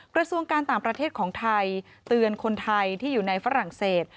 กระทรวงการต่างประเทศของไทยเตือนคนไทยที่อยู่ในฝรั่งเศส